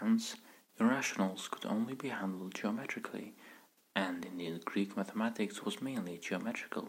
Hence, irrationals could only be handled geometrically; and indeed Greek mathematics was mainly geometrical.